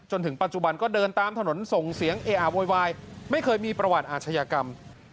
จนถึงปัจจุบันก็เดินตามถนนส่งเสียงเออะโวยวายไม่เคยมีประวัติอาชญากรรม